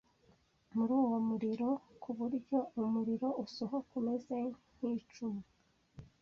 muri uwo muriro ku buryo umuriro usohoka umeze nk’icumu